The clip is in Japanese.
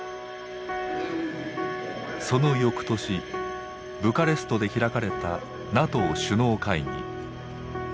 その翌年ブカレストで開かれたＮＡＴＯ首脳会議。